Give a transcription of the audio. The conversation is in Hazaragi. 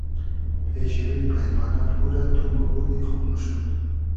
پېشی روی پݷمانۂ پورۂ تو موبودی خوب موشود